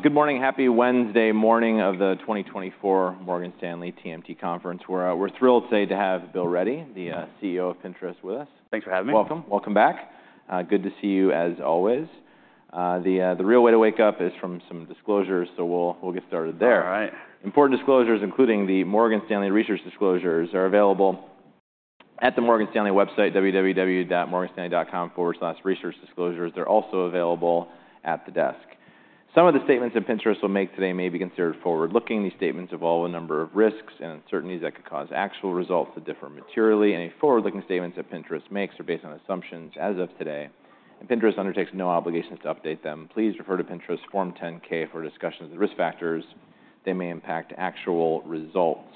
Good morning, happy Wednesday morning of the 2024 Morgan Stanley TMT Conference. We're thrilled today to have Bill Ready, the CEO of Pinterest, with us. Thanks for having me. Welcome. Welcome back. Good to see you as always. The real way to wake up is from some disclosures, so we'll get started there. All right. Important disclosures, including the Morgan Stanley research disclosures, are available at the Morgan Stanley website, www.morganstanley.com/researchdisclosures. They're also available at the desk. Some of the statements that Pinterest will make today may be considered forward-looking. These statements involve a number of risks and uncertainties that could cause actual results to differ materially. Any forward-looking statements that Pinterest makes are based on assumptions as of today, and Pinterest undertakes no obligations to update them. Please refer to Pinterest Form 10-K for discussions of the risk factors. They may impact actual results.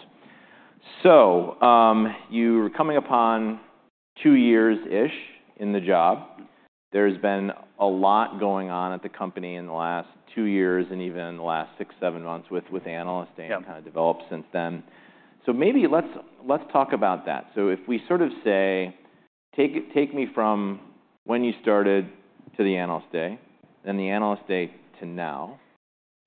So you're coming upon 2 years-ish in the job. There's been a lot going on at the company in the last two years and even the last six, seven months with Analyst Day and kind of developed since then. So maybe let's talk about that. So if we sort of say, take me from when you started to the Analyst Day, then the Analyst Day to now,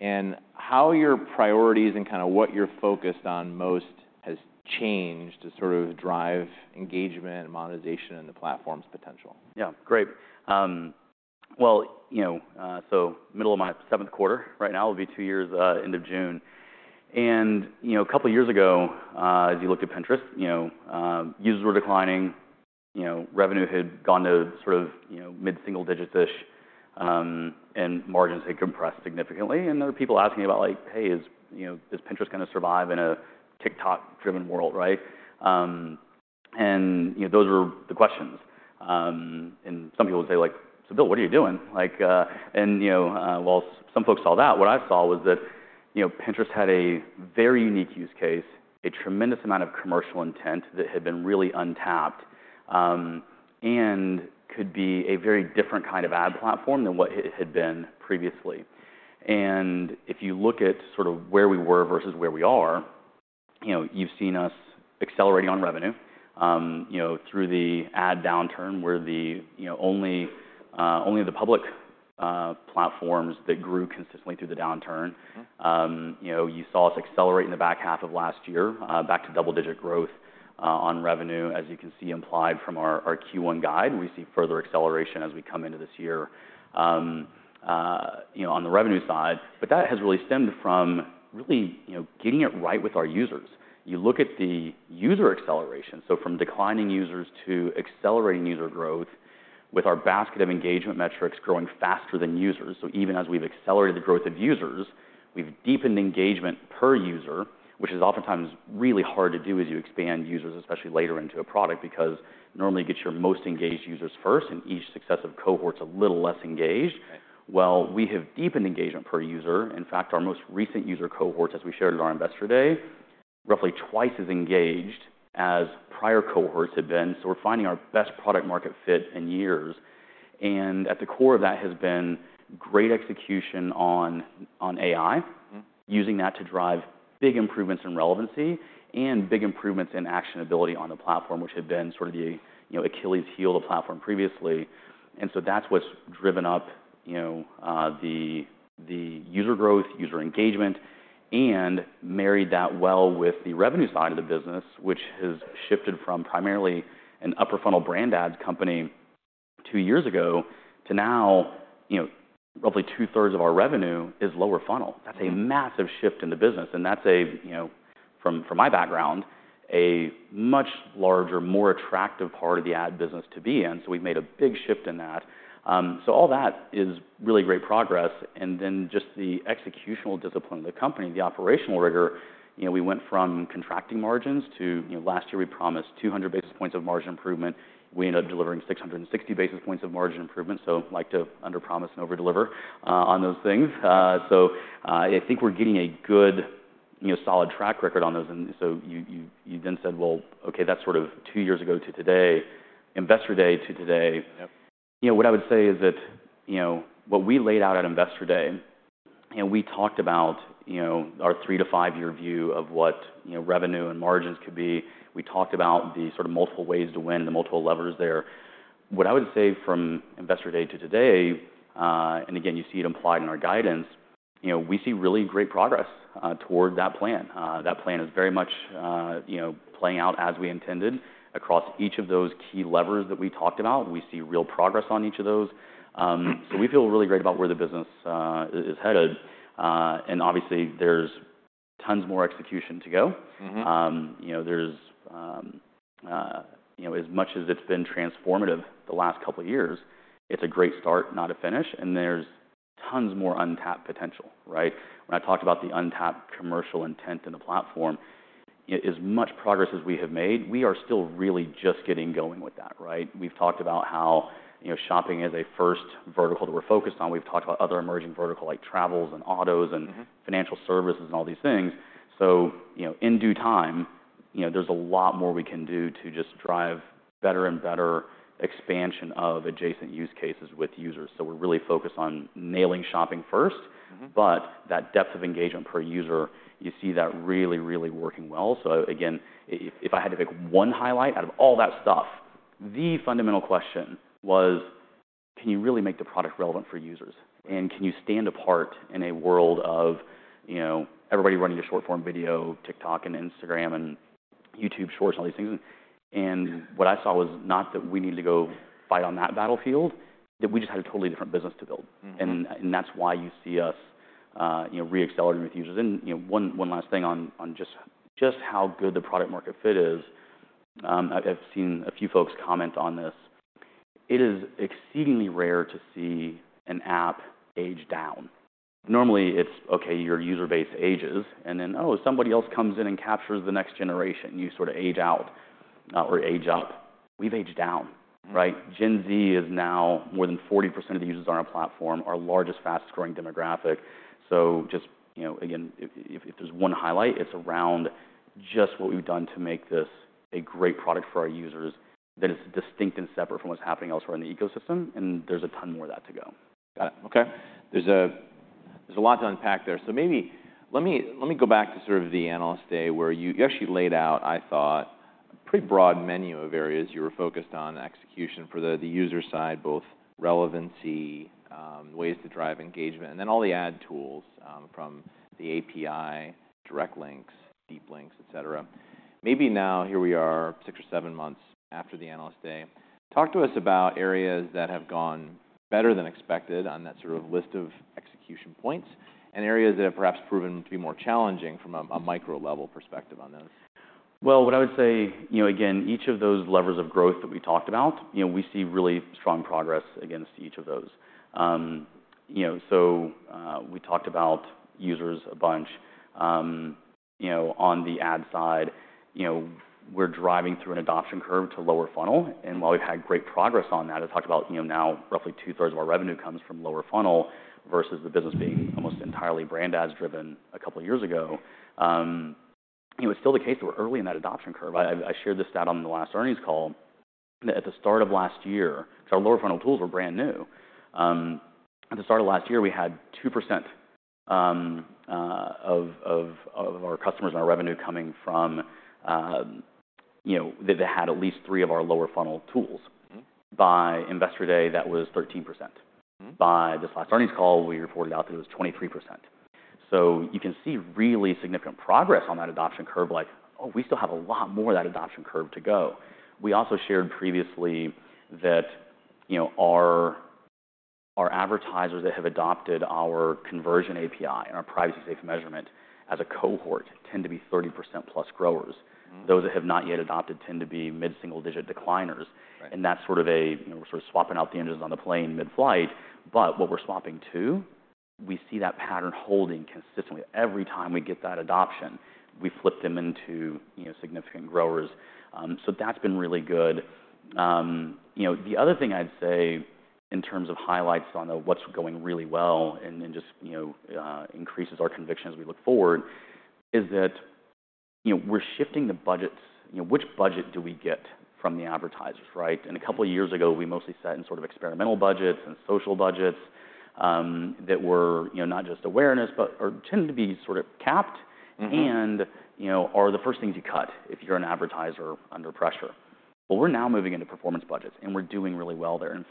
and how your priorities and kind of what you're focused on most has changed to sort of drive engagement and monetization and the platform's potential. Yeah, great. Well, you know, so middle of my seventh quarter right now. It'll be two years, end of June. A couple of years ago, as you looked at Pinterest, users were declining. Revenue had gone to sort of mid-single digits-ish, and margins had compressed significantly. There were people asking about, like, hey, does Pinterest kind of survive in a TikTok-driven world, right? Those were the questions. Some people would say, like, so Bill, what are you doing? While some folks saw that, what I saw was that Pinterest had a very unique use case, a tremendous amount of commercial intent that had been really untapped and could be a very different kind of ad platform than what it had been previously. If you look at sort of where we were versus where we are, you've seen us accelerating on revenue through the ad downturn, where only the public platforms that grew consistently through the downturn. You saw us accelerate in the back half of last year, back to double-digit growth on revenue, as you can see implied from our Q1 guide. We see further acceleration as we come into this year on the revenue side. But that has really stemmed from really getting it right with our users. You look at the user acceleration, so from declining users to accelerating user growth with our basket of engagement metrics growing faster than users. So even as we've accelerated the growth of users, we've deepened engagement per user, which is oftentimes really hard to do as you expand users, especially later into a product, because normally you get your most engaged users first, and each successive cohort's a little less engaged. Well, we have deepened engagement per user. In fact, our most recent user cohort, as we shared at our Investor Day, roughly twice as engaged as prior cohorts had been. So we're finding our best product-market fit in years. And at the core of that has been great execution on AI, using that to drive big improvements in relevancy and big improvements in actionability on the platform, which had been sort of the Achilles heel of the platform previously. So that's what's driven up the user growth, user engagement, and married that well with the revenue side of the business, which has shifted from primarily an upper-funnel brand ads company two years ago to now roughly two-thirds of our revenue is lower funnel. That's a massive shift in the business. That's a, from my background, a much larger, more attractive part of the ad business to be in. So we've made a big shift in that. So all that is really great progress. Then just the executional discipline of the company, the operational rigor, we went from contracting margins to last year we promised 200 basis points of margin improvement. We ended up delivering 660 basis points of margin improvement. So like to underpromise and overdeliver on those things. So I think we're getting a good, solid track record on those. And so you then said, well, OK, that's sort of two years ago to today, Investor Day to today. What I would say is that what we laid out at Investor Day, and we talked about our three to five year view of what revenue and margins could be. We talked about the sort of multiple ways to win and the multiple levers there. What I would say from Investor Day to today, and again, you see it implied in our guidance, we see really great progress toward that plan. That plan is very much playing out as we intended across each of those key levers that we talked about. We see real progress on each of those. So we feel really great about where the business is headed. And obviously, there's tons more execution to go. There's, as much as it's been transformative the last couple of years, it's a great start, not a finish. And there's tons more untapped potential, right? When I talked about the untapped commercial intent in the platform, as much progress as we have made, we are still really just getting going with that, right? We've talked about how shopping is a first vertical that we're focused on. We've talked about other emerging verticals like travels and autos and financial services and all these things. So in due time, there's a lot more we can do to just drive better and better expansion of adjacent use cases with users. So we're really focused on nailing shopping first. But that depth of engagement per user, you see that really, really working well. So again, if I had to pick one highlight out of all that stuff, the fundamental question was, can you really make the product relevant for users? And can you stand apart in a world of everybody running a short-form video, TikTok, and Instagram, and YouTube Shorts, and all these things? And what I saw was not that we needed to go fight on that battlefield, that we just had a totally different business to build. And that's why you see us re-accelerating with users. And one last thing on just how good the product-market fit is. I've seen a few folks comment on this. It is exceedingly rare to see an app age down. Normally, it's, OK, your user base ages. And then, oh, somebody else comes in and captures the next generation, and you sort of age out or age up. We've aged down, right? Gen Z is now more than 40% of the users on our platform, our largest fast-growing demographic. So just again, if there's one highlight, it's around just what we've done to make this a great product for our users that is distinct and separate from what's happening elsewhere in the ecosystem. And there's a ton more of that to go. Got it. OK. There's a lot to unpack there. So maybe let me go back to sort of the Analyst Day, where you actually laid out, I thought, a pretty broad menu of areas you were focused on, execution for the user side, both relevancy, ways to drive engagement, and then all the ad tools from the API, Direct Links, deep links, et cetera. Maybe now, here we are, six or seven months after the Analyst Day, talk to us about areas that have gone better than expected on that sort of list of execution points and areas that have perhaps proven to be more challenging from a micro-level perspective on those. Well, what I would say, again, each of those levers of growth that we talked about, we see really strong progress against each of those. So we talked about users, a bunch. On the ad side, we're driving through an adoption curve to lower funnel. And while we've had great progress on that, I talked about now roughly 2/3 of our revenue comes from lower funnel versus the business being almost entirely brand ads driven a couple of years ago. It was still the case that we're early in that adoption curve. I shared this stat on the last earnings call. At the start of last year, because our lower funnel tools were brand new, at the start of last year we had 2% of our customers and our revenue coming from that had at least three of our lower funnel tools. By Investor Day, that was 13%. By this last earnings call, we reported out that it was 23%. So you can see really significant progress on that adoption curve, like, oh, we still have a lot more of that adoption curve to go. We also shared previously that our advertisers that have adopted our Conversions API and our privacy-safe measurement as a cohort tend to be 30%+ growers. Those that have not yet adopted tend to be mid-single digit decliners. And that's sort of a we're sort of swapping out the engines on the plane mid-flight. But what we're swapping to, we see that pattern holding consistently. Every time we get that adoption, we flip them into significant growers. So that's been really good. The other thing I'd say in terms of highlights on what's going really well and just increases our conviction as we look forward is that we're shifting the budgets. Which budget do we get from the advertisers, right? And a couple of years ago, we mostly sat in sort of experimental budgets and social budgets that were not just awareness but tend to be sort of capped and are the first things you cut if you're an advertiser under pressure. Well, we're now moving into performance budgets, and we're doing really well there. In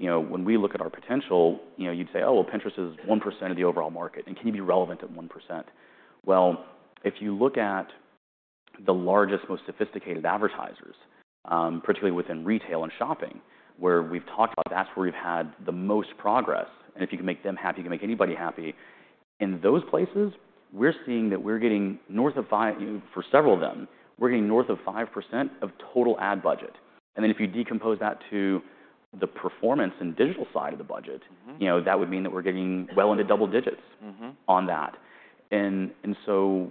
fact, when we look at our potential, you'd say, oh, well, Pinterest is 1% of the overall market. And can you be relevant at 1%? Well, if you look at the largest, most sophisticated advertisers, particularly within retail and shopping, where we've talked about that's where we've had the most progress, and if you can make them happy, you can make anybody happy, in those places, we're seeing that we're getting north of for several of them, we're getting north of 5% of total ad budget. And then if you decompose that to the performance and digital side of the budget, that would mean that we're getting well into double digits on that. And so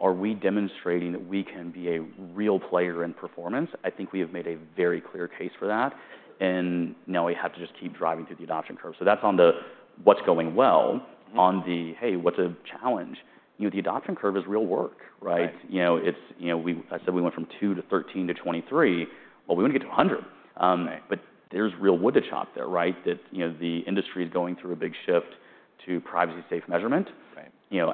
are we demonstrating that we can be a real player in performance? I think we have made a very clear case for that. And now we have to just keep driving through the adoption curve. So that's on the what's going well. On the, hey, what's a challenge? The adoption curve is real work, right? I said we went from 2-13-23. Well, we want to get to 100. But there's real wood to chop there, right? The industry is going through a big shift to privacy-safe measurement.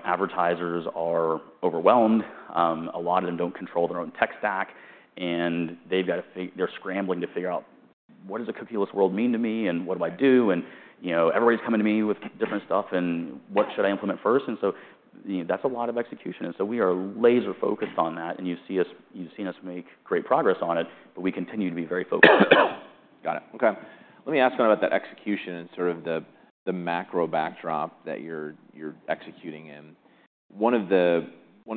Advertisers are overwhelmed. A lot of them don't control their own tech stack. And they're scrambling to figure out, what does a cookieless world mean to me? And what do I do? And everybody's coming to me with different stuff. And what should I implement first? And so that's a lot of execution. And so we are laser-focused on that. And you've seen us make great progress on it. But we continue to be very focused on that. Got it. OK. Let me ask one about that execution and sort of the macro backdrop that you're executing in. One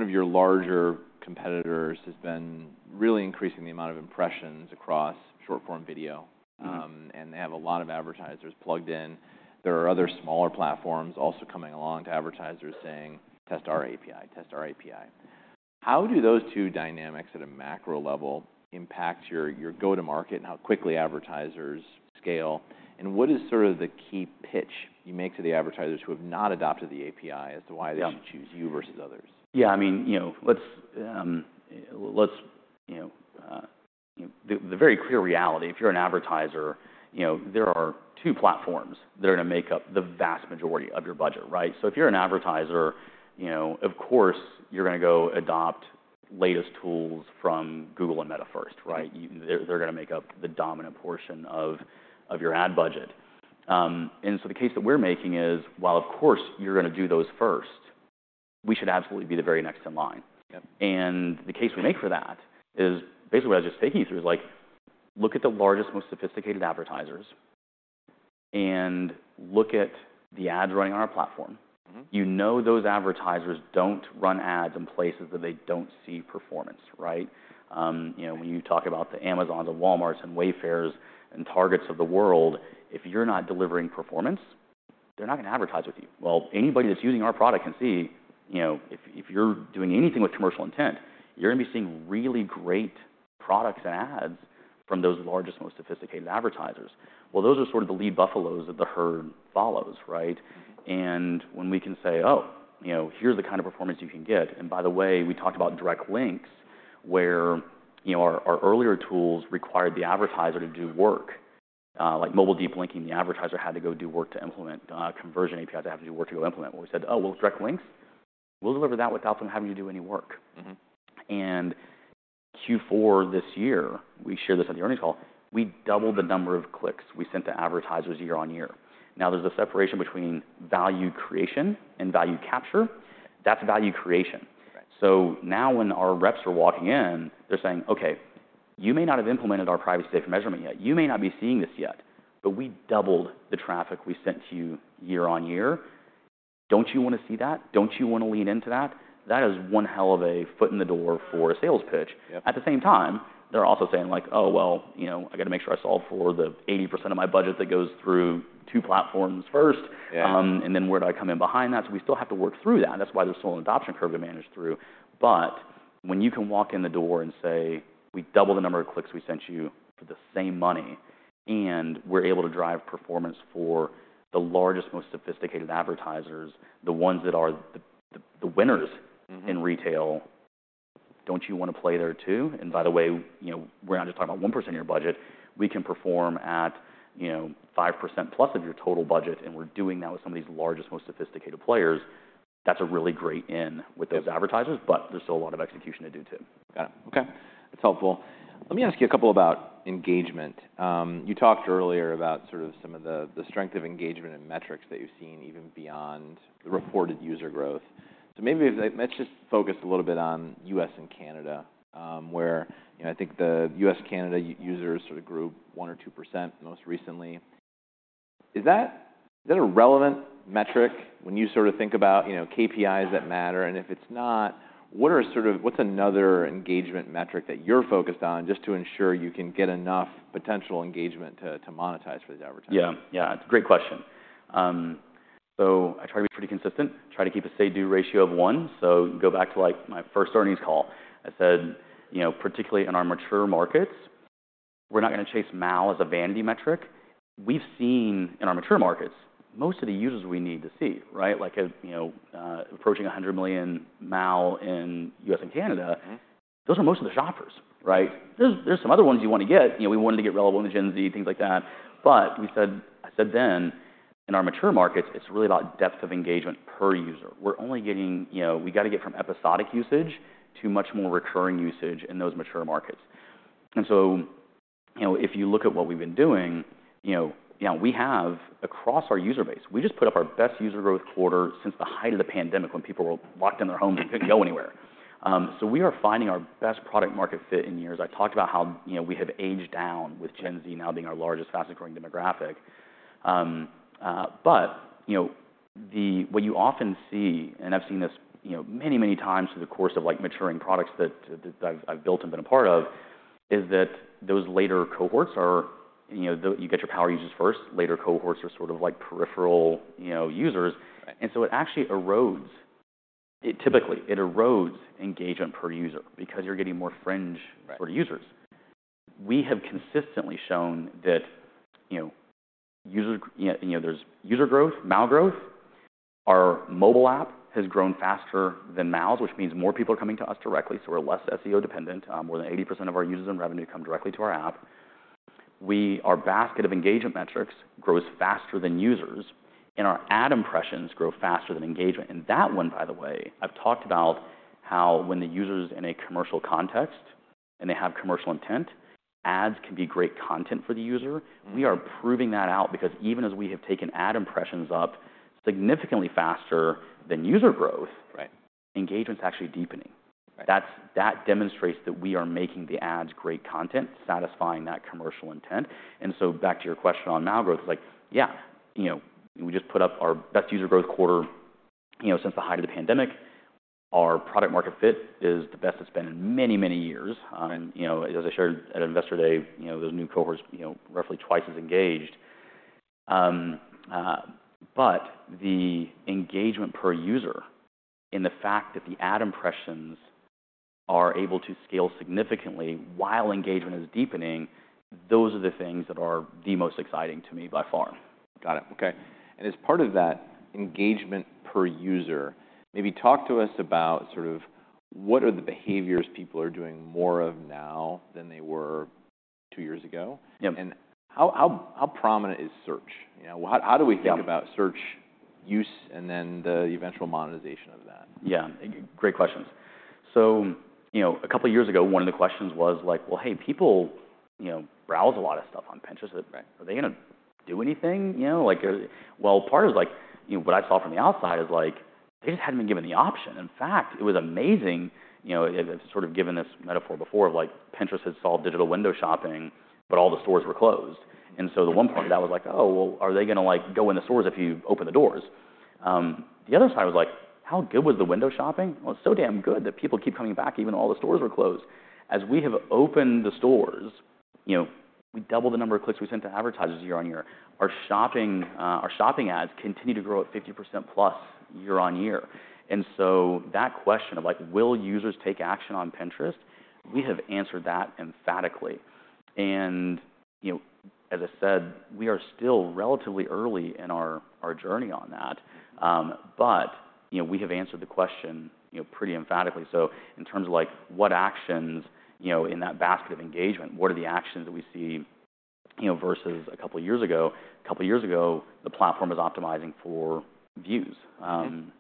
of your larger competitors has been really increasing the amount of impressions across short-form video. And they have a lot of advertisers plugged in. There are other smaller platforms also coming along to advertisers saying, test our API, test our API. How do those two dynamics at a macro level impact your go-to-market and how quickly advertisers scale? And what is sort of the key pitch you make to the advertisers who have not adopted the API as to why they should choose you versus others? Yeah. I mean, let's be very clear, the reality, if you're an advertiser, there are two platforms that are going to make up the vast majority of your budget, right? So if you're an advertiser, of course, you're going to go adopt latest tools from Google and Meta first, right? They're going to make up the dominant portion of your ad budget. And the case that we're making is, while of course you're going to do those first, we should absolutely be the very next in line. And the case we make for that is basically what I was just taking you through is, like, look at the largest, most sophisticated advertisers. And look at the ads running on our platform. You know those advertisers don't run ads in places that they don't see performance, right? When you talk about the Amazons and Walmarts and Wayfairs and Targets of the world, if you're not delivering performance, they're not going to advertise with you. Well, anybody that's using our product can see, if you're doing anything with commercial intent, you're going to be seeing really great products and ads from those largest, most sophisticated advertisers. Well, those are sort of the lead buffaloes that the herd follows, right? And when we can say, oh, here's the kind of performance you can get. And by the way, we talked about Direct Links, where our earlier tools required the advertiser to do work. Like mobile deep linking, the advertiser had to go do work to implement. Conversions APIs had to do work to go implement. Well, we said, oh, well, Direct Links? We'll deliver that without them having to do any work. Q4 this year, we shared this at the earnings call, we doubled the number of clicks we sent to advertisers year-over-year. Now there's a separation between value creation and value capture. That's value creation. So now when our reps are walking in, they're saying, OK, you may not have implemented our privacy-safe measurement yet. You may not be seeing this yet. But we doubled the traffic we sent to you year-over-year. Don't you want to see that? Don't you want to lean into that? That is one hell of a foot in the door for a sales pitch. At the same time, they're also saying, like, oh, well, I got to make sure I solve for the 80% of my budget that goes through two platforms first. And then where do I come in behind that? So we still have to work through that. That's why there's still an adoption curve to manage through. But when you can walk in the door and say, we doubled the number of clicks we sent you for the same money. And we're able to drive performance for the largest, most sophisticated advertisers, the ones that are the winners in retail, don't you want to play there too? And by the way, we're not just talking about 1% of your budget. We can perform at 5%+ of your total budget. And we're doing that with some of these largest, most sophisticated players. That's a really great in with those advertisers. But there's still a lot of execution to do too. Got it. OK. That's helpful. Let me ask you a couple about engagement. You talked earlier about sort of some of the strength of engagement and metrics that you've seen even beyond the reported user growth. So maybe let's just focus a little bit on U.S. and Canada, where I think the U.S.-Canada users sort of grew 1% or 2% most recently. Is that a relevant metric when you sort of think about KPIs that matter? And if it's not, what's another engagement metric that you're focused on just to ensure you can get enough potential engagement to monetize for these advertisers? Yeah. Yeah. It's a great question. So I try to be pretty consistent. Try to keep a say-do ratio of 1. So go back to my first earnings call. I said, particularly in our mature markets, we're not going to chase MAU as a vanity metric. We've seen in our mature markets most of the users we need to see, right? Like approaching 100 million MAU in U.S. and Canada, those are most of the shoppers, right? There's some other ones you want to get. We wanted to get relevant with Gen Z, things like that. But I said then, in our mature markets, it's really about depth of engagement per user. We got to get from episodic usage to much more recurring usage in those mature markets. And so if you look at what we've been doing, we have across our user base, we just put up our best user growth quarter since the height of the pandemic when people were locked in their homes and couldn't go anywhere. So we are finding our best product-market fit in years. I talked about how we have aged down with Gen Z now being our largest, fastest-growing demographic. But what you often see, and I've seen this many, many times through the course of maturing products that I've built and been a part of, is that those later cohorts are you get your power users first. Later cohorts are sort of like peripheral users. And so it actually erodes it typically. It erodes engagement per user because you're getting more fringe sort of users. We have consistently shown that there's user growth, MAU growth. Our mobile app has grown faster than MAUs, which means more people are coming to us directly. So we're less SEO dependent. More than 80% of our users and revenue come directly to our app. Our basket of engagement metrics grows faster than users. And our ad impressions grow faster than engagement. And that one, by the way, I've talked about how when the user is in a commercial context and they have commercial intent, ads can be great content for the user. We are proving that out because even as we have taken ad impressions up significantly faster than user growth, engagement's actually deepening. That demonstrates that we are making the ads great content, satisfying that commercial intent. And so back to your question on MAU growth, it's like, yeah. We just put up our best user growth quarter since the height of the pandemic. Our product-market fit is the best it's been in many, many years. As I shared at Investor Day, those new cohorts are roughly twice as engaged. The engagement per user and the fact that the ad impressions are able to scale significantly while engagement is deepening, those are the things that are the most exciting to me by far. Got it. OK. And as part of that engagement per user, maybe talk to us about sort of what are the behaviors people are doing more of now than they were two years ago? And how prominent is search? How do we think about search use and then the eventual monetization of that? Yeah. Great questions. So a couple of years ago, one of the questions was, like, well, hey, people browse a lot of stuff on Pinterest. Are they going to do anything? Well, part of what I saw from the outside is, like, they just hadn't been given the option. In fact, it was amazing. I've sort of given this metaphor before of, like, Pinterest has solved digital window shopping, but all the stores were closed. And so the one part of that was, like, oh, well, are they going to go in the stores if you open the doors? The other side was, like, how good was the window shopping? Well, it's so damn good that people keep coming back even though all the stores were closed. As we have opened the stores, we doubled the number of clicks we sent to advertisers year on year. Our shopping ads continue to grow at 50%+ year-over-year. So that question of, like, will users take action on Pinterest, we have answered that emphatically. As I said, we are still relatively early in our journey on that. But we have answered the question pretty emphatically. So in terms of, like, what actions in that basket of engagement, what are the actions that we see versus a couple of years ago? A couple of years ago, the platform was optimizing for views and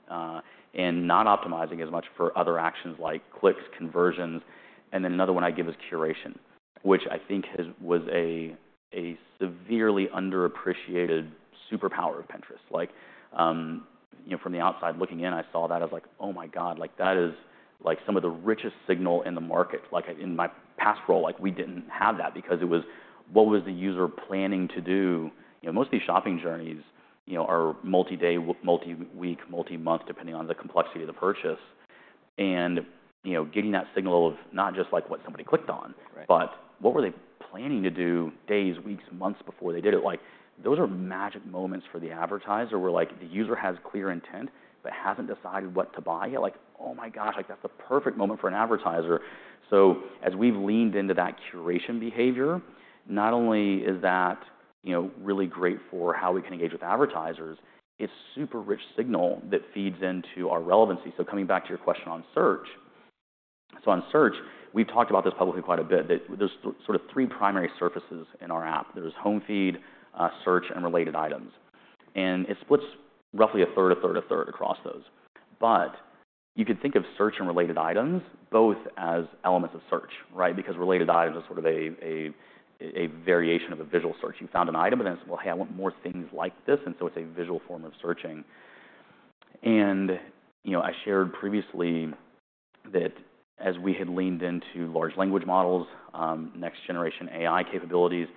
not optimizing as much for other actions like clicks, conversions. Then another one I give is curation, which I think was a severely underappreciated superpower of Pinterest. From the outside looking in, I saw that as, like, oh my god. That is some of the richest signal in the market. In my past role, we didn't have that because it was, what was the user planning to do? Most of these shopping journeys are multi-day, multi-week, multi-month, depending on the complexity of the purchase. And getting that signal of not just what somebody clicked on, but what were they planning to do days, weeks, months before they did it? Those are magic moments for the advertiser where, like, the user has clear intent but hasn't decided what to buy yet. Like, oh my gosh. That's the perfect moment for an advertiser. So as we've leaned into that curation behavior, not only is that really great for how we can engage with advertisers, it's super rich signal that feeds into our relevancy. So coming back to your question on search, so on search, we've talked about this publicly quite a bit, that there's sort of three primary surfaces in our app. There's home feed, search, and related items. It splits roughly a third, a third, a third across those. You could think of search and related items both as elements of search, right? Because related items are sort of a variation of a visual search. You found an item, and then it's, well, hey, I want more things like this. So it's a visual form of searching. I shared previously that as we had leaned into large language models, next-generation AI capabilities,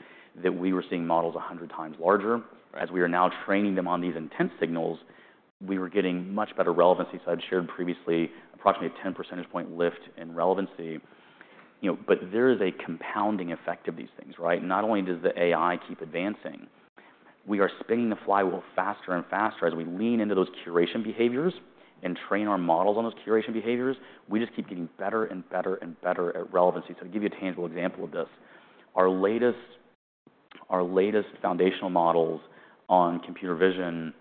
that we were seeing models 100 times larger. As we are now training them on these intense signals, we were getting much better relevancy. I'd shared previously approximately a 10 percentage point lift in relevancy. There is a compounding effect of these things, right? Not only does the AI keep advancing, we are spinning the flywheel faster and faster. As we lean into those curation behaviors and train our models on those curation behaviors, we just keep getting better and better and better at relevancy. So to give you a tangible example of this, our latest foundational models on computer vision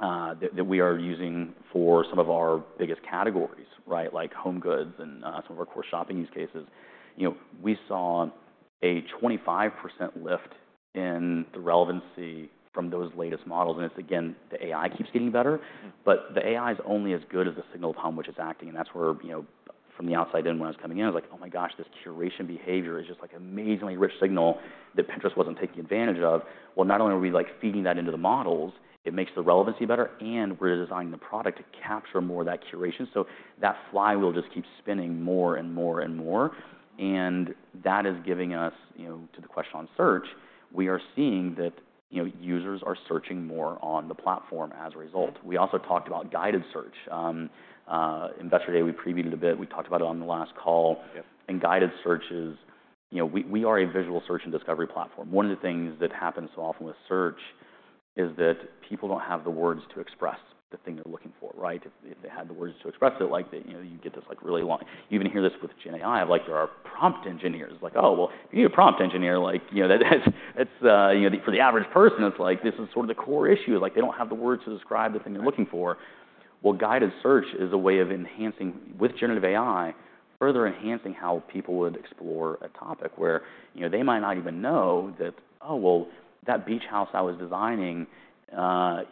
that we are using for some of our biggest categories, like home goods and some of our core shopping use cases, we saw a 25% lift in the relevancy from those latest models. And it's, again, the AI keeps getting better. But the AI is only as good as the signal of how much it's acting. And that's where, from the outside in, when I was coming in, I was like, oh my gosh. This curation behavior is just like an amazingly rich signal that Pinterest wasn't taking advantage of. Well, not only are we, like, feeding that into the models, it makes the relevancy better. We're designing the product to capture more of that curation. That flywheel just keeps spinning more and more and more. That is giving us, to the question on search, we are seeing that users are searching more on the platform as a result. We also talked about Guided Search. Investor Day, we previewed it a bit. We talked about it on the last call. Guided Search is we are a visual search and discovery platform. One of the things that happens so often with search is that people don't have the words to express the thing they're looking for, right? If they had the words to express it, you get this, like, really long you even hear this with Gen AI. There are prompt engineers. It's like, oh, well, if you need a prompt engineer, for the average person, it's like, this is sort of the core issue. They don't have the words to describe the thing they're looking for. Well, Guided Search is a way of enhancing, with generative AI, further enhancing how people would explore a topic where they might not even know that, oh, well, that beach house I was designing or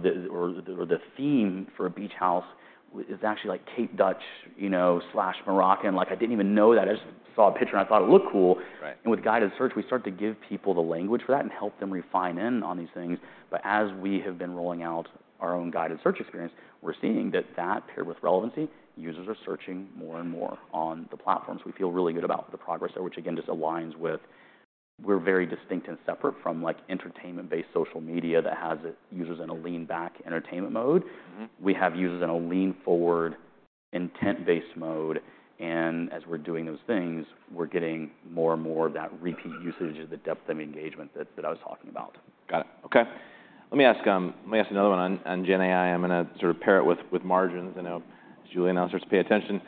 the theme for a beach house is actually Cape Dutch/Moroccan. I didn't even know that. I just saw a picture and I thought it looked cool. And with Guided Search, we start to give people the language for that and help them refine in on these things. But as we have been rolling out our own Guided Search experience, we're seeing that that, paired with relevancy, users are searching more and more on the platform. So we feel really good about the progress there, which, again, just aligns with we're very distinct and separate from entertainment-based social media that has users in a lean-back entertainment mode. We have users in a lean-forward intent-based mode. And as we're doing those things, we're getting more and more of that repeat usage of the depth of engagement that I was talking about. Got it. OK. Let me ask another one on Gen AI. I'm going to sort of pair it with margins. As Julia announced, let's pay attention.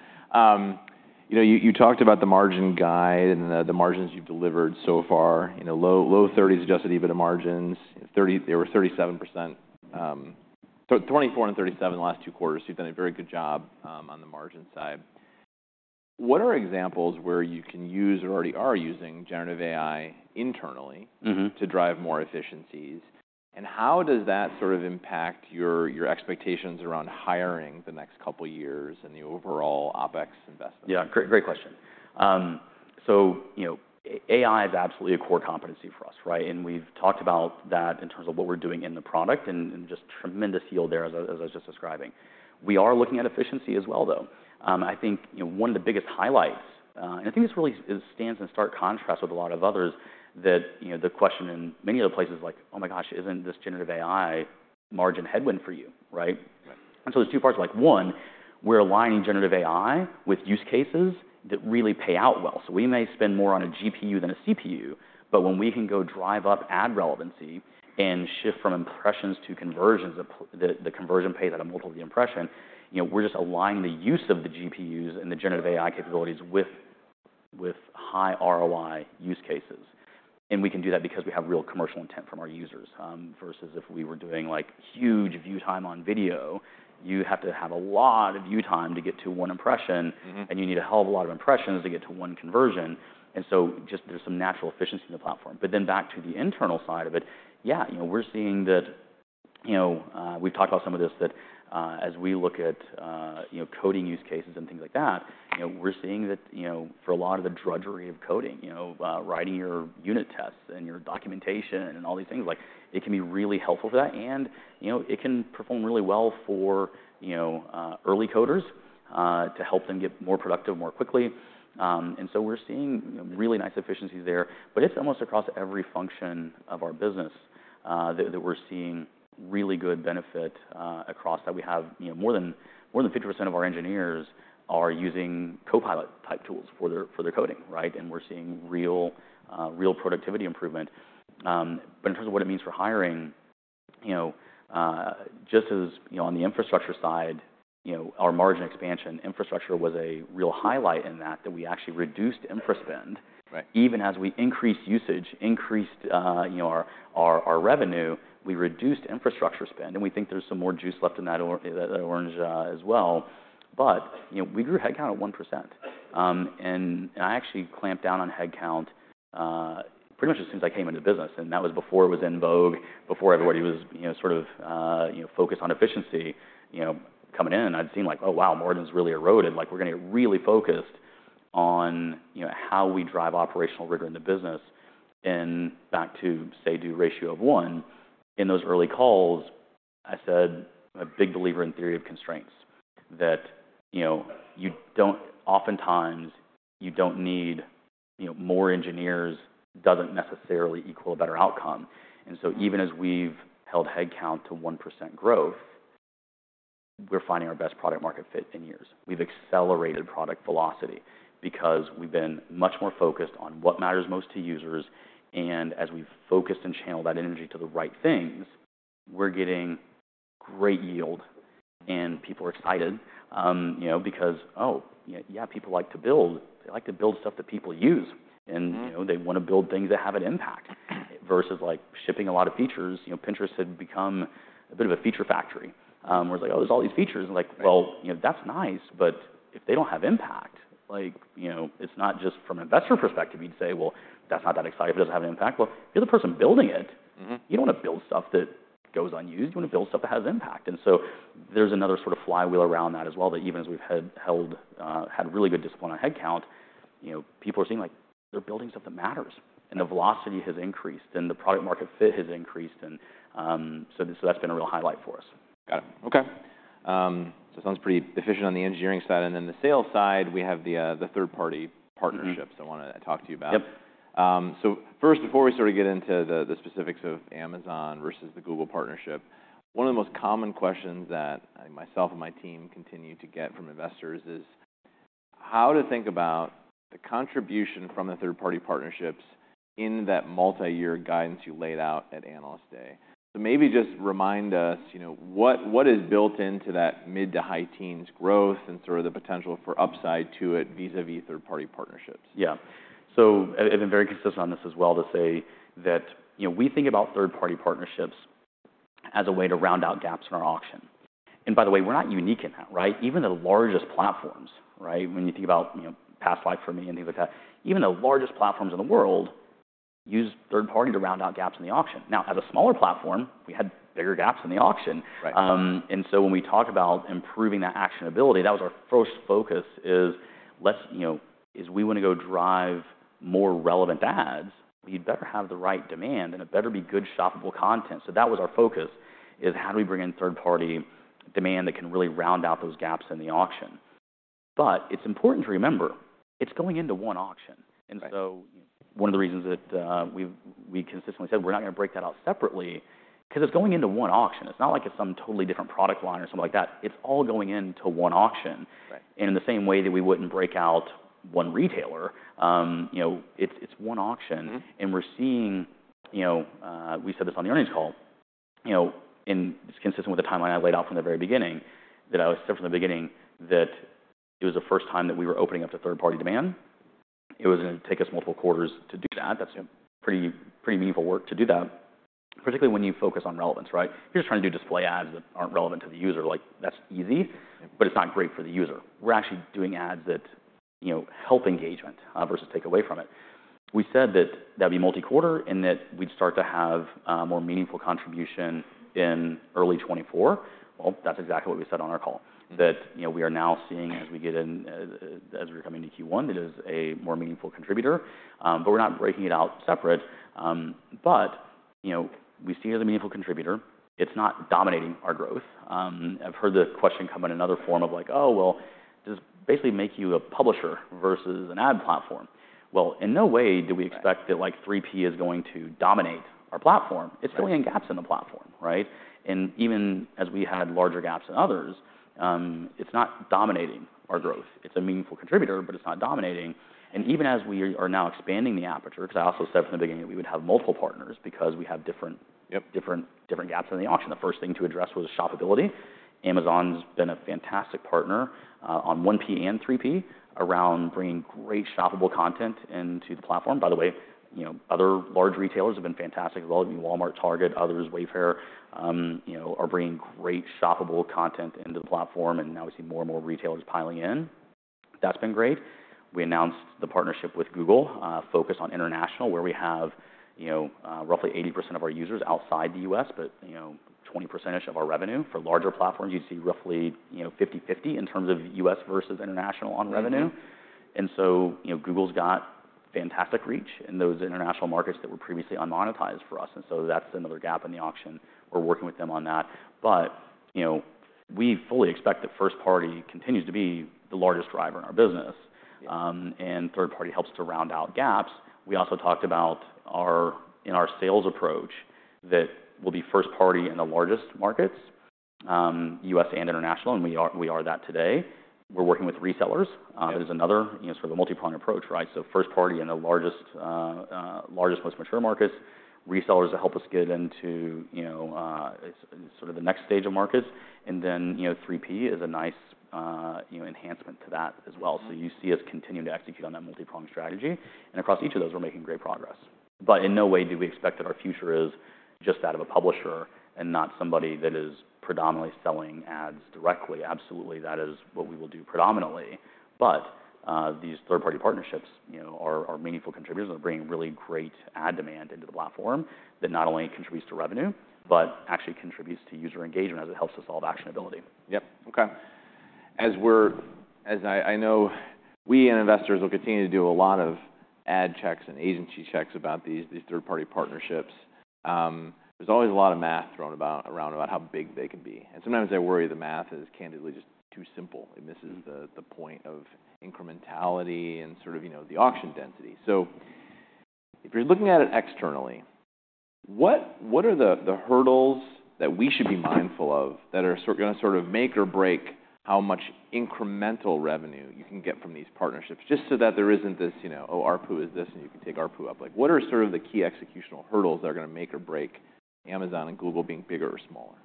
You talked about the margin guide and the margins you've delivered so far. Low 30s Adjusted EBITDA margins. They were 37%, 24%, and 37% the last two quarters. So you've done a very good job on the margin side. What are examples where you can use or already are using generative AI internally to drive more efficiencies? And how does that sort of impact your expectations around hiring the next couple of years and the overall OpEx investment? Yeah. Great question. So AI is absolutely a core competency for us, right? And we've talked about that in terms of what we're doing in the product and just tremendous yield there, as I was just describing. We are looking at efficiency as well, though. I think one of the biggest highlights, and I think this really stands in stark contrast with a lot of others, that the question in many other places is, like, "oh my gosh, isn't this generative AI margin headwind for you," right? And so there's two parts. One, we're aligning generative AI with use cases that really pay out well. So we may spend more on a GPU than a CPU. But when we can go drive up ad relevancy and shift from impressions to conversions, the conversion pays out a multiple of the impression, we're just aligning the use of the GPUs and the generative AI capabilities with high ROI use cases. And we can do that because we have real commercial intent from our users versus if we were doing huge view time on video, you have to have a lot of view time to get to one impression. And you need a hell of a lot of impressions to get to one conversion. And so there's some natural efficiency in the platform. But then back to the internal side of it, yeah. We're seeing that we've talked about some of this, that as we look at coding use cases and things like that, we're seeing that for a lot of the drudgery of coding, writing your unit tests and your documentation and all these things, it can be really helpful for that. And it can perform really well for early coders to help them get more productive more quickly. And so we're seeing really nice efficiencies there. But it's almost across every function of our business that we're seeing really good benefit across that. We have more than 50% of our engineers are using Copilot-type tools for their coding, right? And we're seeing real productivity improvement. But in terms of what it means for hiring, just as on the infrastructure side, our margin expansion, infrastructure was a real highlight in that, that we actually reduced infra spend. Even as we increased usage, increased our revenue, we reduced infrastructure spend. We think there's some more juice left in that orange as well. We grew headcount at 1%. I actually clamped down on headcount pretty much as soon as I came into the business. That was before it was in vogue, before everybody was sort of focused on efficiency coming in. I'd seen, like, oh, wow. Margin's really eroded. We're going to get really focused on how we drive operational rigor in the business. Back to say-do ratio of 1, in those early calls, I said I'm a big believer in theory of constraints, that oftentimes you don't need more engineers doesn't necessarily equal a better outcome. Even as we've held headcount to 1% growth, we're finding our best product-market fit in years. We've accelerated product velocity because we've been much more focused on what matters most to users. As we've focused and channeled that energy to the right things, we're getting great yield. People are excited because, oh, yeah. People like to build. They like to build stuff that people use. They want to build things that have an impact versus shipping a lot of features. Pinterest had become a bit of a feature factory where it's like, oh, there's all these features. Like, well, that's nice. But if they don't have impact, it's not just from an investor perspective. You'd say, well, that's not that exciting. If it doesn't have an impact, well, if you're the person building it, you don't want to build stuff that goes unused. You want to build stuff that has impact. And so there's another sort of flywheel around that as well, that even as we've had really good discipline on headcount, people are seeing, like, they're building stuff that matters. And the velocity has increased. And the product-market fit has increased. And so that's been a real highlight for us. Got it. OK. So it sounds pretty efficient on the engineering side. And then the sales side, we have the third-party partnerships I want to talk to you about. So first, before we sort of get into the specifics of Amazon versus the Google partnership, one of the most common questions that myself and my team continue to get from investors is how to think about the contribution from the third-party partnerships in that multi-year guidance you laid out at Analyst Day. So maybe just remind us, what is built into that mid to high teens growth and sort of the potential for upside to it vis-à-vis third-party partnerships? Yeah. So I've been very consistent on this as well to say that we think about third-party partnerships as a way to round out gaps in our auction. And by the way, we're not unique in that, right? Even the largest platforms when you think about Performance Max and things like that, even the largest platforms in the world use third parties to round out gaps in the auction. Now, as a smaller platform, we had bigger gaps in the auction. And so when we talk about improving that actionability, that was our first focus is we want to go drive more relevant ads? We'd better have the right demand. And it better be good shoppable content. So that was our focus, is how do we bring in third-party demand that can really round out those gaps in the auction? But it's important to remember, it's going into one auction. And so one of the reasons that we consistently said we're not going to break that out separately because it's going into one auction. It's not like it's some totally different product line or something like that. It's all going into one auction. And in the same way that we wouldn't break out one retailer, it's one auction. And we're seeing we said this on the earnings call. And it's consistent with the timeline I laid out from the very beginning, that I said from the beginning that it was the first time that we were opening up to third-party demand. It was going to take us multiple quarters to do that. That's pretty meaningful work to do that, particularly when you focus on relevance, right? You're just trying to do display ads that aren't relevant to the user. That's easy. But it's not great for the user. We're actually doing ads that help engagement versus take away from it. We said that that would be multi-quarter and that we'd start to have more meaningful contribution in early 2024. Well, that's exactly what we said on our call, that we are now seeing as we get in as we're coming into Q1 that it is a more meaningful contributor. But we're not breaking it out separate. But we see it as a meaningful contributor. It's not dominating our growth. I've heard the question come in another form of, like, oh, well, does this basically make you a publisher versus an ad platform? Well, in no way do we expect that 3P is going to dominate our platform. It's filling in gaps in the platform, right? And even as we had larger gaps than others, it's not dominating our growth. It's a meaningful contributor. But it's not dominating. And even as we are now expanding the aperture because I also said from the beginning that we would have multiple partners because we have different gaps in the auction. The first thing to address was shoppability. Amazon's been a fantastic partner on 1P and 3P around bringing great shoppable content into the platform. By the way, other large retailers have been fantastic as well. Walmart, Target, others, Wayfair are bringing great shoppable content into the platform. And now we see more and more retailers piling in. That's been great. We announced the partnership with Google focused on international, where we have roughly 80% of our users outside the U.S. but 20%-ish of our revenue. For larger platforms, you'd see roughly 50/50 in terms of U.S. versus international on revenue. Google's got fantastic reach in those international markets that were previously unmonetized for us. So that's another gap in the auction. We're working with them on that. But we fully expect that first party continues to be the largest driver in our business. And third party helps to round out gaps. We also talked about in our sales approach that we'll be first party in the largest markets, U.S. and international. And we are that today. We're working with resellers. That is another sort of a multi-pronged approach, right? So first party in the largest, most mature markets, resellers that help us get into sort of the next stage of markets. And then 3P is a nice enhancement to that as well. So you see us continuing to execute on that multi-pronged strategy. And across each of those, we're making great progress. In no way do we expect that our future is just that of a publisher and not somebody that is predominantly selling ads directly. Absolutely. That is what we will do predominantly. These third-party partnerships are meaningful contributors. They're bringing really great ad demand into the platform that not only contributes to revenue but actually contributes to user engagement as it helps us solve actionability. Yep. OK. As I know, we and investors will continue to do a lot of ad checks and agency checks about these third-party partnerships. There's always a lot of math thrown around about how big they can be. And sometimes I worry the math is candidly just too simple. It misses the point of incrementality and sort of the auction density. So if you're looking at it externally, what are the hurdles that we should be mindful of that are going to sort of make or break how much incremental revenue you can get from these partnerships just so that there isn't this, oh, ARPU is this. And you can take ARPU up. What are sort of the key executional hurdles that are going to make or break Amazon and Google being bigger or smaller?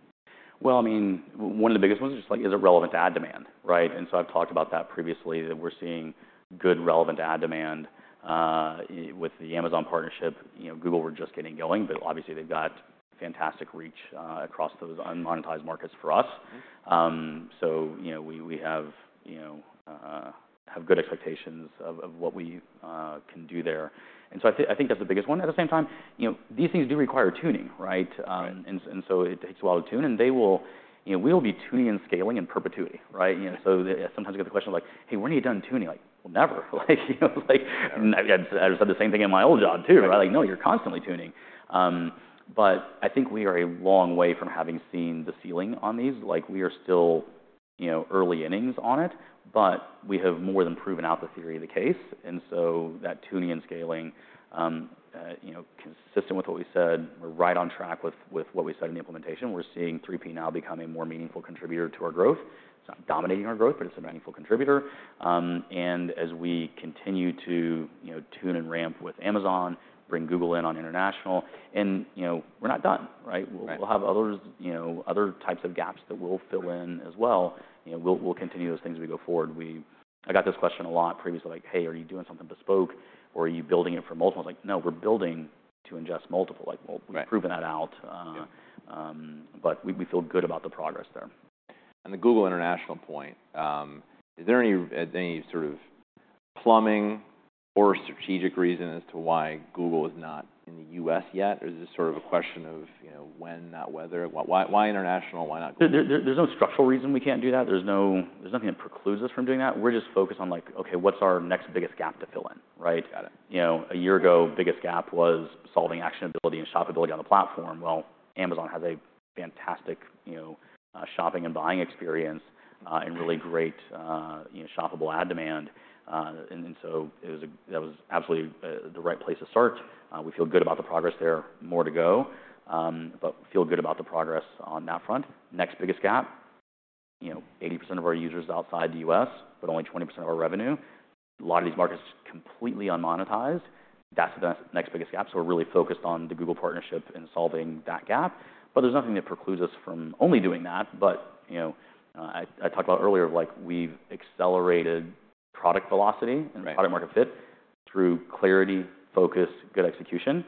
Well, I mean, one of the biggest ones is just, like, is it relevant to ad demand, right? And so I've talked about that previously, that we're seeing good relevant ad demand. With the Amazon partnership, Google, we're just getting going. But obviously, they've got fantastic reach across those unmonetized markets for us. So we have good expectations of what we can do there. And so I think that's the biggest one. At the same time, these things do require tuning, right? And so it takes a while to tune. And we will be tuning and scaling in perpetuity, right? So sometimes you get the question of, like, hey, when are you done tuning? Well, never. I've said the same thing in my old job too, right? Like, no. You're constantly tuning. But I think we are a long way from having seen the ceiling on these. We are still early innings on it. But we have more than proven out the theory of the case. And so that tuning and scaling, consistent with what we said, we're right on track with what we said in the implementation. We're seeing 3P now become a more meaningful contributor to our growth. It's not dominating our growth. But it's a meaningful contributor. And as we continue to tune and ramp with Amazon, bring Google in on international, we're not done, right? We'll have other types of gaps that we'll fill in as well. We'll continue those things as we go forward. I got this question a lot previously, like, hey, are you doing something bespoke? Or are you building it for multiple? It's like, no. We're building to ingest multiple. We've proven that out. But we feel good about the progress there. On the Google international point, is there any sort of plumbing or strategic reason as to why Google is not in the U.S. yet? Or is this sort of a question of when, not whether? Why international? Why not Google? There's no structural reason we can't do that. There's nothing that precludes us from doing that. We're just focused on, like, OK, what's our next biggest gap to fill in, right? A year ago, biggest gap was solving actionability and shoppability on the platform. Well, Amazon has a fantastic shopping and buying experience and really great shoppable ad demand. And so that was absolutely the right place to start. We feel good about the progress there. More to go. But feel good about the progress on that front. Next biggest gap, 80% of our users outside the U.S. but only 20% of our revenue. A lot of these markets are completely unmonetized. That's the next biggest gap. So we're really focused on the Google partnership in solving that gap. But there's nothing that precludes us from only doing that. But I talked about earlier of, like, we've accelerated product velocity and product-market fit through clarity, focus, good execution.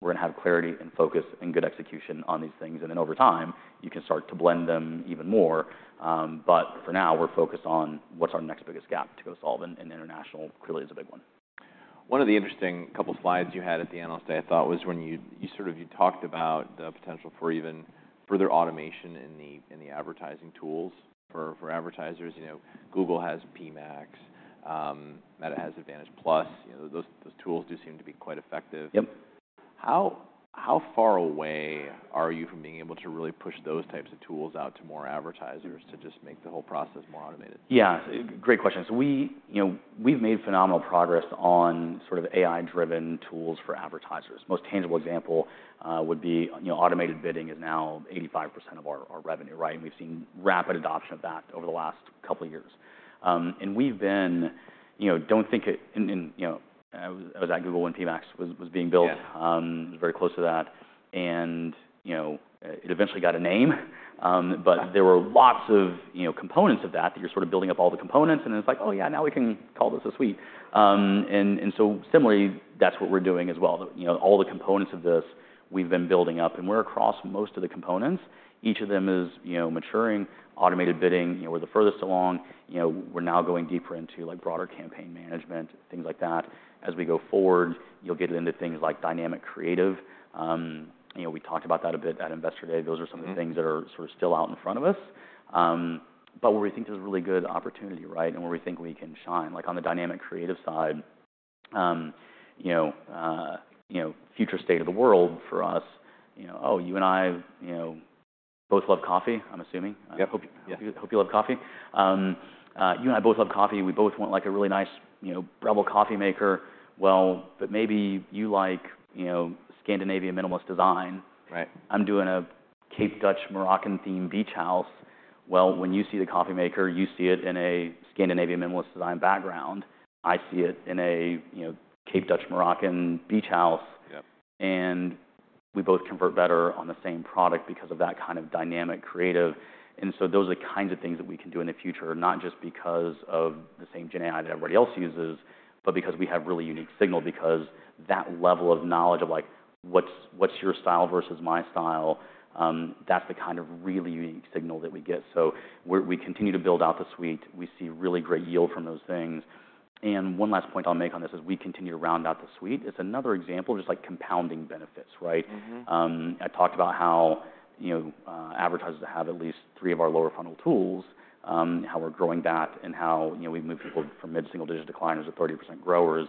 We're going to have clarity and focus and good execution on these things. And then over time, you can start to blend them even more. But for now, we're focused on what's our next biggest gap to go solve. And international clearly is a big one. One of the interesting couple of slides you had at the Analyst Day, I thought, was when you sort of talked about the potential for even further automation in the advertising tools for advertisers. Google has PMax. Meta has Advantage+. Those tools do seem to be quite effective. How far away are you from being able to really push those types of tools out to more advertisers to just make the whole process more automated? Yeah. Great question. So we've made phenomenal progress on sort of AI-driven tools for advertisers. The most tangible example would be automated bidding, is now 85% of our revenue, right? And we've seen rapid adoption of that over the last couple of years. And I don't think it. I was at Google when PMax was being built. It was very close to that. And it eventually got a name. But there were lots of components of that that you're sort of building up all the components. And it's like, oh, yeah. Now we can call this a suite. And so similarly, that's what we're doing as well. All the components of this, we've been building up. And we're across most of the components. Each of them is maturing. Automated bidding, we're the furthest along. We're now going deeper into broader campaign management, things like that. As we go forward, you'll get into things like dynamic creative. We talked about that a bit at Investor Day. Those are some of the things that are sort of still out in front of us. But where we think there's really good opportunity, right? And where we think we can shine. Like on the dynamic creative side, future state of the world for us, oh, you and I both love coffee, I'm assuming. I hope you love coffee. You and I both love coffee. We both want, like, a really nice Breville coffee maker. Well, but maybe you like Scandinavian minimalist design. I'm doing a Cape Dutch Moroccan-themed beach house. Well, when you see the coffee maker, you see it in a Scandinavian minimalist design background. I see it in a Cape Dutch Moroccan beach house. And we both convert better on the same product because of that kind of dynamic creative. And so those are the kinds of things that we can do in the future, not just because of the same Gen AI that everybody else uses but because we have really unique signal. Because that level of knowledge of, like, what's your style versus my style, that's the kind of really unique signal that we get. So we continue to build out the suite. We see really great yield from those things. And one last point I'll make on this is we continue to round out the suite. It's another example of just compounding benefits, right? I talked about how advertisers have at least three of our lower funnel tools, how we're growing that, and how we move people from mid-single digit decliners to 30% growers.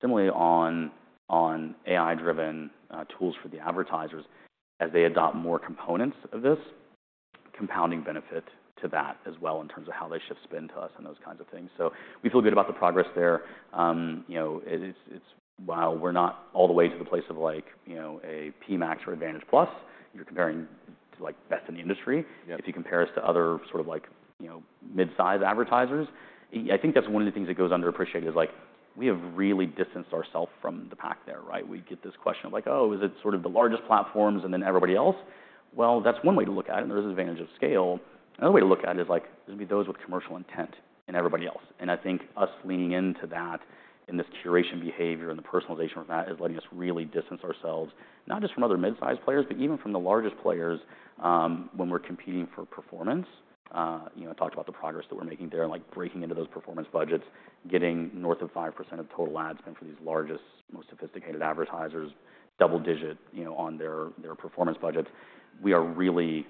Similarly, on AI-driven tools for the advertisers, as they adopt more components of this, compounding benefit to that as well in terms of how they shift spend to us and those kinds of things. So we feel good about the progress there. While we're not all the way to the place of, like, a PMax or Advantage+, you're comparing to best in the industry. If you compare us to other sort of mid-size advertisers, I think that's one of the things that goes underappreciated is, like, we have really distanced ourselves from the pack there, right? We get this question of, like, oh, is it sort of the largest platforms and then everybody else? Well, that's one way to look at it. And there is an advantage of scale. Another way to look at it is, like, there's going to be those with commercial intent and everybody else. I think us leaning into that in this curation behavior and the personalization of that is letting us really distance ourselves not just from other mid-size players but even from the largest players when we're competing for performance. I talked about the progress that we're making there and breaking into those performance budgets, getting north of 5% of total ad spend for these largest, most sophisticated advertisers, double-digit on their performance budgets. We are really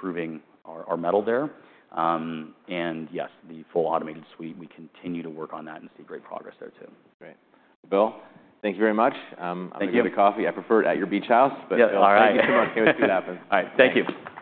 proving our mettle there. Yes, the full automated suite, we continue to work on that and see great progress there too. Great. Bill, thank you very much. Thank you. I'm going to get a coffee. I prefer it at your beach house. But Bill, thank you so much. All right. Let's see what happens. All right. Thank you.